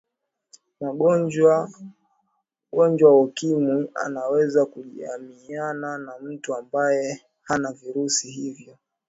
mgonjwa wa ukimwi anaweza kujamiiana na mtu ambaye hana virusi hivyo